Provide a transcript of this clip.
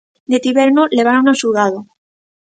Detivérono, levárono ao xulgado.